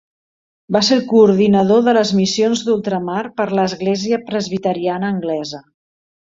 Va ser el coordinador de les missions d'ultramar per a l'església presbiteriana anglesa.